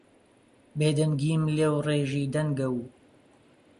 بێدەنگیم لێوڕێژی دەنگە و